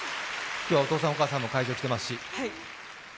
今日はお父さんお母さんも会場に来ていますし。